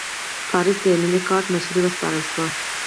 پاریس د ملي ګارډ مشري وسپارل شوه.